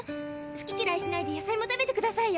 好ききらいしないで野菜も食べてくださいよ。